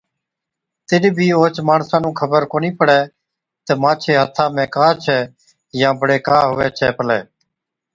تِڏ بِي اوهچ ماڻسا نُون خبر ڪونهِي پڙَي تہ مانڇي هٿا ۾ ڪا ڇي يان بڙي ڪا هُوَي ڇَي پلَي۔